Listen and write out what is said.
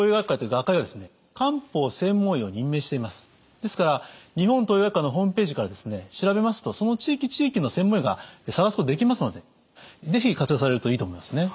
ですから日本東洋医学会のホームページから調べますとその地域地域の専門医が探すことができますので是非活用されるといいと思いますね。